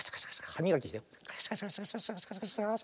はみがきしてるの。